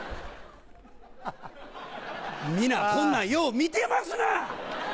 皆こんなんよう見てますな。